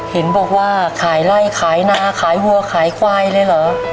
เห็นบอกว่าขายไล่ขายนาขายวัวขายควายเลยเหรอ